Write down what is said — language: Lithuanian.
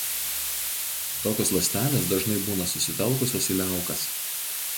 Tokios ląstelės dažnai būna susitelkusios į liaukas.